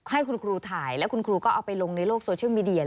ให้คุณครูถ่ายแล้วคุณครูก็เอาไปลงในโลกโซเชียลมีเดีย